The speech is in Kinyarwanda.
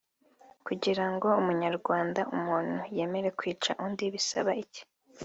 Kugira ngo umunyarwanda/umuntu yemere kwica undi bisaba iki